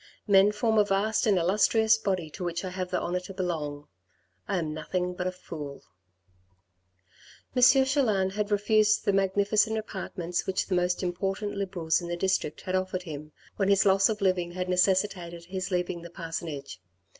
Men form a vast and illustrious body to which I have the honour to belong. I am nothing but a fool." M. Chelan had refused the magnificent apartments which the most important Liberals in the district had offered him, when his loss of his living had necessitated his leaving the parsonage.